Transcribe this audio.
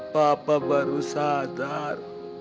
papa baru sadar